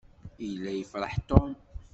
Yella yefṛeḥ Tom.